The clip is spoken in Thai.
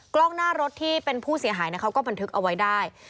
กล้องหน้ารถที่เป็นผู้เสียหายเขาก็บันทึกเอาไว้ได้